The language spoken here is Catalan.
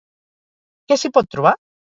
Què s'hi pot trobar?